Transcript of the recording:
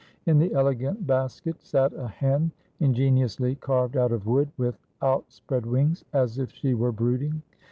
In the elegant basket sat a hen, ingeniously carved out of wood, with out spread wings, as if she were brooding.